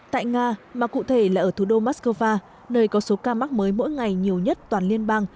tại nga mà cụ thể là ở thủ đô moscow nơi có số ca mắc mới mỗi ngày nhiều nhất toàn liên bang